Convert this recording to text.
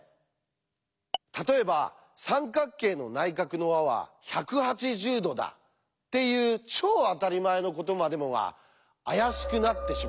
例えば「三角形の内角の和は１８０°だ」っていう超当たり前のことまでもがあやしくなってしまった。